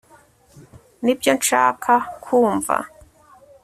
nibyo nshaka kumva